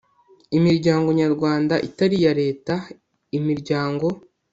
imiryango nyarwanda itari iya leta imiryango